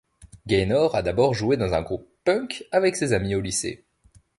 Gaynor a d'abord joué dans un groupe punk avec ses amis au lycée.